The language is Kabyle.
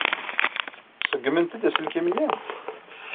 Ṣeggment-d aselkim-nni?